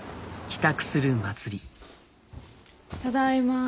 ただいま。